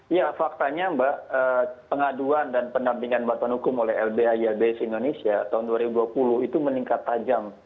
ya faktanya mbak pengaduan dan pendampingan bantuan hukum oleh lbh ylbs indonesia tahun dua ribu dua puluh itu meningkat tajam